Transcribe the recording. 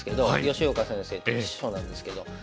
吉岡先生って師匠なんですけど。